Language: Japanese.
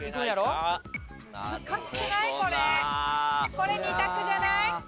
これ２択じゃない？